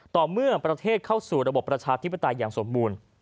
เมื่อประเทศเข้าสู่ระบบประชาธิปไตยอย่างสมบูรณ์